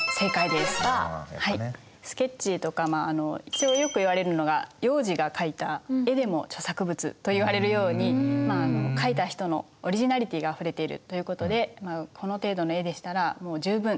一応よく言われるのが幼児が描いた絵でも著作物と言われるように描いた人のオリジナリティがあふれているということでこの程度の絵でしたらもう十分著作物だと思います。